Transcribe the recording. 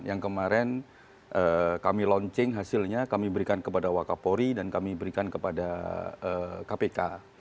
yang kemarin kami launching hasilnya kami berikan kepada wakapori dan kami berikan kepada kpk